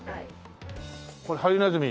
これハリネズミ？